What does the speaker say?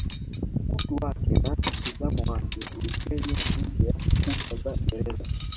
utu wake na mtizamo wake ulipenya nje ya kuta za gereza